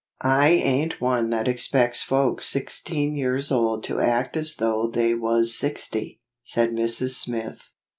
3. "I ain't one that expects folks six¬ teen years old to act as though they was sixty," said Mrs. Smith.